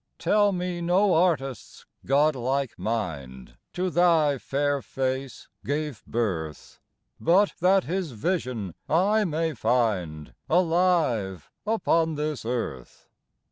Tell me no artist's god like mind To thy fair face gave birth, But that his vision I may find Alive upon this earth.